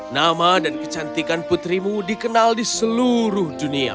nama dan kecantikan putrimu dikenal di seluruh dunia